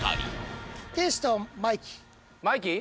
マイキー？